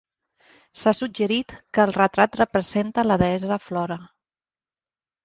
S'ha suggerit que el retrat representa la deessa Flora.